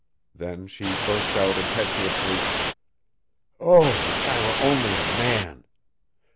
Then she burst out impetuously: "Oh, if I were only a man!